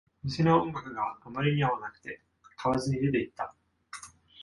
店の音楽があまりに合わなくて、買わずに出ていった